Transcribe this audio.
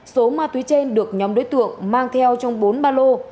số ma túy trên được nhóm đối tượng mang theo trong bốn ba lô